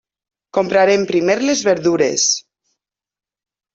Comprarem primer les verdures.